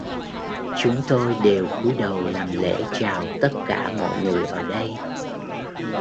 Chúng tôi đều cúi đầu làm lễ chào tất cả mọi người ở đây